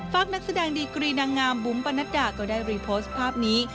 นักแสดงดีกรีนางงามบุ๋มปะนัดดาก็ได้รีโพสต์ภาพนี้